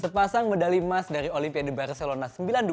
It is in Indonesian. sepasang medali emas dari olimpiade barcelona sembilan puluh dua